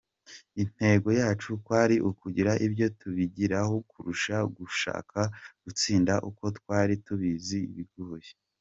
Intego yacu kwari ukugira ibyo tubigiraho kurusha gushaka gutsinda kuko twari tubizi ko bigoye.